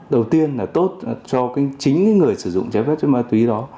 đầu tiên là tốt cho chính người sử dụng trái phép chất ma túy đó